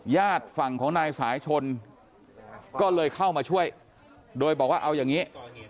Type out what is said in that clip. ญาติฝั่งของนายสายชนก็เลยเข้ามาช่วยโดยบอกว่าเอาอย่างนี้